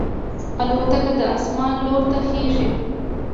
الوتکه د اسمان لور ته خېژي.